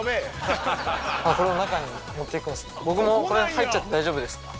僕もこれ入っちゃって大丈夫ですか？